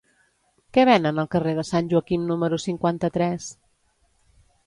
Què venen al carrer de Sant Joaquim número cinquanta-tres?